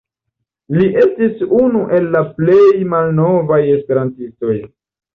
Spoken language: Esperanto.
Li estis unu el la plej malnovaj Esperantistoj.